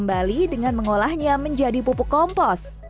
maka akan dikeringkan dengan mengolahnya menjadi pupuk kompos